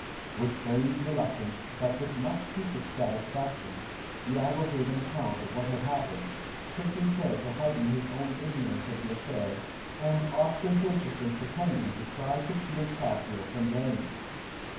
With feigned reluctance, but with much secret satisfaction, Iago gave an account of what had happened, taking care to heighten his own ignorance of the affair, and ostentatiously pretending to try to shield Cassio from blame.